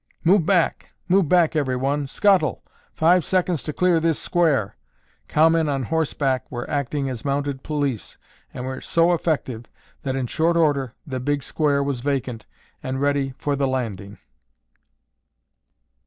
"Move back! Move back everyone! Scuttle! Five seconds to clear this square!" Cowmen on horseback were acting as mounted police and were so effective that in short order the big square was vacant and ready for the landing.